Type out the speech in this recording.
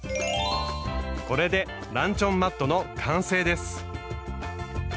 これでランチョンマットの完成です！